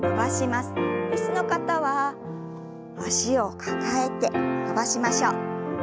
椅子の方は脚を抱えて伸ばしましょう。